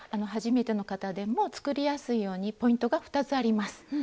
初めての方でも作りやすいようにポイントが２つあります。